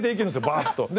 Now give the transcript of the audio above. バーッと。